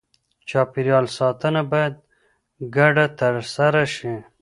چاپېریال ساتنه باید ګډه ترسره شي.